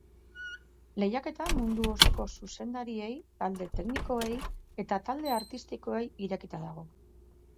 Lehiaketa mundu osoko zuzendariei, talde teknikoei eta talde artistikoei irekita dago.